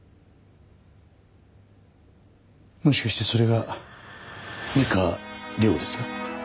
もしかしてそれが三河亮ですか？